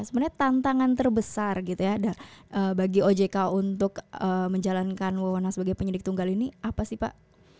sebenarnya tantangan terbesar gitu ya bagi ojk untuk menjalankan wawonan sebagai penyidik tunggal ini apa sih pak